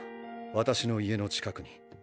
私の家の近くに。